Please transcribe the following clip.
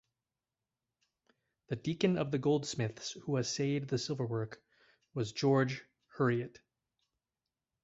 The Deacon of the Goldsmiths who assayed the silver work was George Heriot.